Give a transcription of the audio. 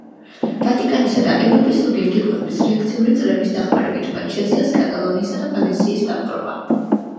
ვატიკანისა და ევროპის ზოგიერთი ქვეყნის რეაქციული წრეების დახმარებით მათ შეძლეს კატალონიისა და ვალენსიის დაპყრობა.